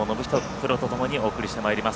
プロとともにお送りしてまいります。